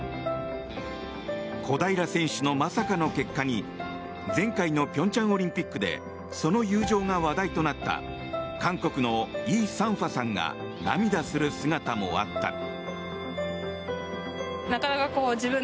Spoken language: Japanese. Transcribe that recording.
小平選手のまさかの結果に前回の平昌オリンピックでその友情が話題となった韓国のイ・サンファさんが涙する姿もあった。